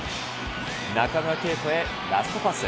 中村敬斗へラストパス。